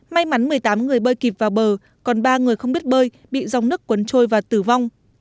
may mắn một mươi tám người bơi kịp vào bờ còn ba người không biết bơi bị dòng nước cuốn trôi và tử vong